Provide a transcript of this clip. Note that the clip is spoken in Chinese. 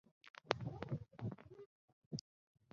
波浪理论的实证有效性仍然充满争议。